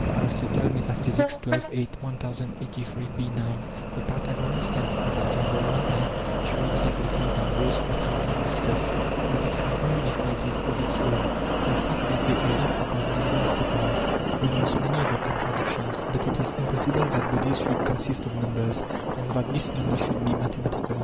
xii. 8; 1083b9. The Pythagorean standpoint has on the one hand fewer difficulties than those that have been discussed, but it has new difficulties of its own. The fact that they do not regard number as separate, removes many of the contradictions ; but it is impossible that bodies should consist of numbers, and that this number should be mathematical.